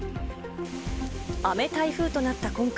雨台風となった今回。